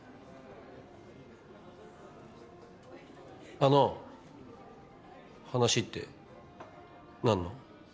あの話って何の？